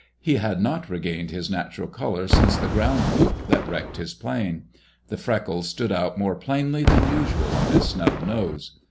He had not regained his natural color since the ground loop that wrecked his plane. The freckles stood out more plainly than usual on his snub nose.